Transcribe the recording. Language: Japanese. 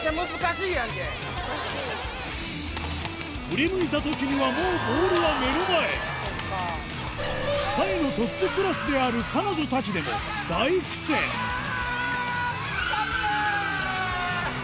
振り向いたときにはもうボールは目の前タイのトップクラスである彼女たちでも大苦戦ストップ！